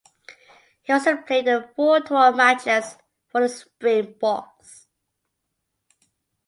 He also played in four tour matches for the Springboks.